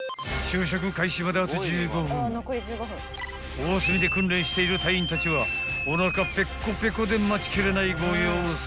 ［おおすみで訓練している隊員たちはおなかぺっこぺこで待ちきれないご様子］